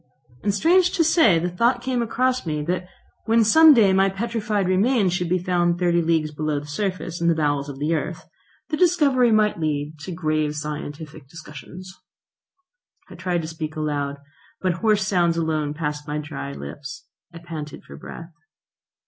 And, strange to say, the thought came across me that when some day my petrified remains should be found thirty leagues below the surface in the bowels of the earth, the discovery might lead to grave scientific discussions. I tried to speak aloud, but hoarse sounds alone passed my dry lips. I panted for breath.